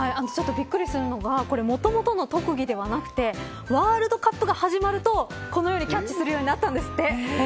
びっくりするのがもともとの特技ではなくてワールドカップが始まるとこのようにキャッチするようになったんですって。